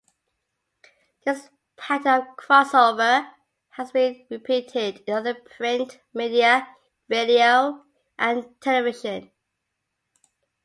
This pattern of crossover has been repeated in other print media, radio, and television.